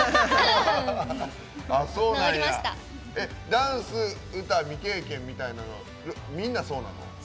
ダンス歌、未経験みたいなのみんなそうなの？